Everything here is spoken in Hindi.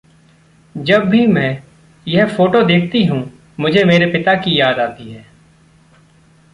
जब भी में यह फोटो देखती हूँ, मुझे मेरे पिता की याद आती है।